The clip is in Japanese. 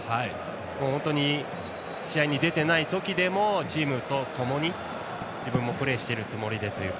本当に試合に出ていない時でもチームとともに自分もプレーしているつもりでというか。